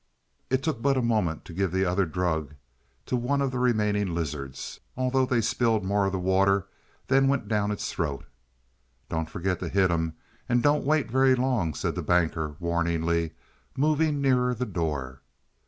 It took but a moment to give the other drug to one of the remaining lizards, although they spilled more of the water than went down its throat. "Don't forget to hit him, and don't you wait very long," said the Banker warningly, moving nearer the door.